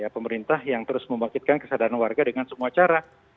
pemerintah yang terus membangkitkan kesadaran warga dengan semua cara